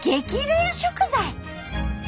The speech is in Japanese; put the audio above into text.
レア食材！